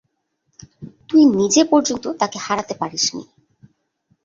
তুই নিজে পর্যন্ত তাকে হারাতে পারিসনি।